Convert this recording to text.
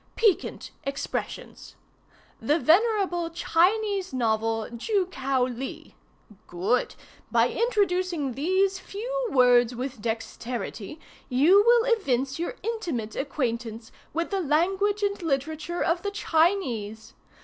"PIQUANT EXPRESSIONS. 'The Venerable Chinese novel Ju Kiao Li.' Good! By introducing these few words with dexterity you will evince your intimate acquaintance with the language and literature of the Chinese.